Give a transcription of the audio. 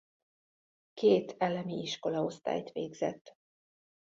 Két elemi iskola osztályt végzett.